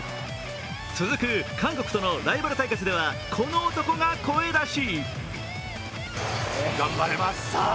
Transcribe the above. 続く韓国とのライバル対決ではこの男が声出し。